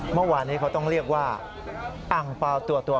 เมื่อวานนี้เขาต้องเรียกว่าอังเปล่าตัว